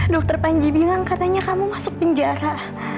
dokter panji bilang katanya kamu masuk penjara